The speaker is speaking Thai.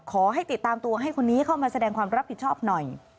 ขอให้ติดตามตัวให้คนนี้เข้ามาแสดงความรับผิดชอบหน่อย